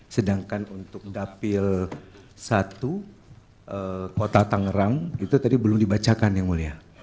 sedangkan untuk dapil satu kota tangerang itu tadi belum dibacakan yang mulia